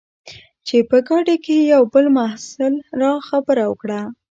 چې په ګاډۍ کې یوه بل محصل دا خبره وکړه.